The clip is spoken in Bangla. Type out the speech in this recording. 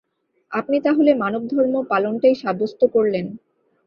আপনি তা হলে মানবধর্ম পালনটাই সাব্যস্ত করলেন!